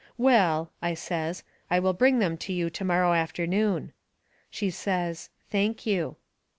"Well," I says, "I will bring them to you tomorrow afternoon." She says, "Thank you."